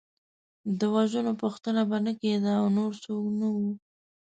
د وژنو پوښتنه به نه کېده او نور څوک نه وو.